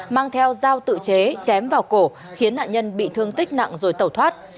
mang theo dao tự chế chém vào cổ khiến nạn nhân bị thương tích nặng rồi tẩu thoát